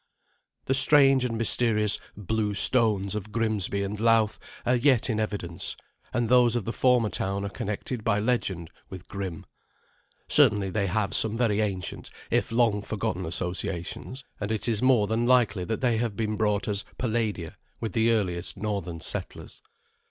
The strange and mysterious "blue stones" of Grimsby and Louth are yet in evidence, and those of the former town are connected by legend with Grim. Certainly they have some very ancient if long forgotten associations, and it is more than likely that they have been brought as "palladia" with the earliest northern settlers.